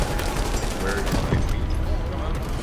Where is my queen?